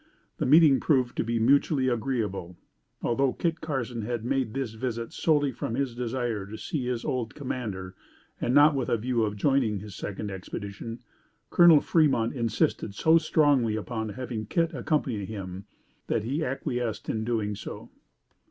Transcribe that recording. The meeting proved to be mutually agreeable. Although Kit Carson had made this visit solely from his desire to see again his old commander and not with a view of joining his second expedition, Col. Fremont insisted so strongly upon having Kit accompany him that he acquiesced in doing so.